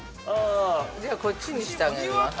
じゃあ、こっちにしてあげるわ。